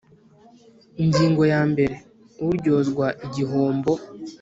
Ingingo yambere Uryozwa igihombo